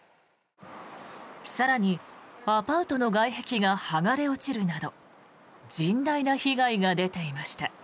更にアパートの外壁が剥がれ落ちるなど甚大な被害が出ていました。